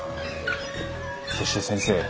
そして先生